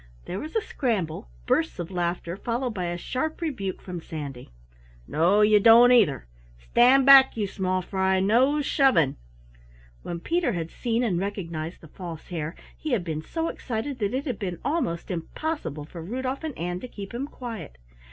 There was a scramble, bursts of laughter, followed by a sharp rebuke from Sandy. "No, you don't either. Stand back, you small fry. No shoving!" When Peter had seen and recognized the False Hare he had been so excited that it had been almost impossible for Rudolf and Ann to keep him quiet.